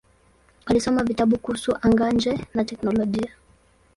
Alisoma vitabu kuhusu anga-nje na teknolojia.